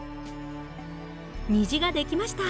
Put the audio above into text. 虹が出来ました。